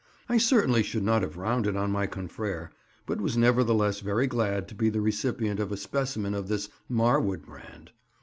I certainly should not have rounded on my confrère, but was nevertheless very glad to be the recipient of a specimen of this "Marwood" brand.